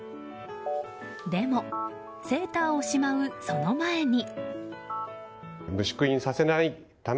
でも、セーターをしまうその前に。